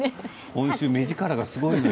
今週、目力がすごいの。